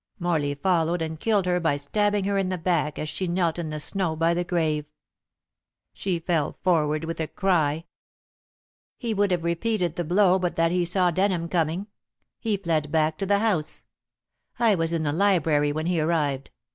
Morley followed and killed her by stabbing her in the back as she knelt in the snow by the grave. She fell forward with a cry. He would have repeated the blow but that he saw Denham coming. He fled back to the house. I was in the library when he arrived.